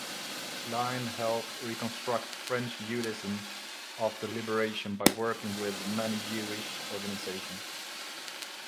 Klein helped reconstruct French Judaism after Liberation by working with many Jewish organizations.